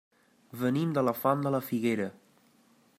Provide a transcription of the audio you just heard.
Venim de la Font de la Figuera.